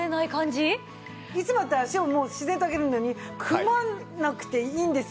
いつもだったら脚をもう自然と上げるのに組まなくていいんですよね。